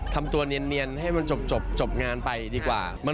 ทำตัวเนียนให้มันจบงานไปดีกว่า